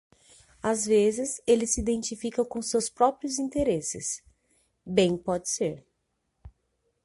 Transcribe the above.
Às vezes eles se identificam com seus próprios interesses, bem pode ser.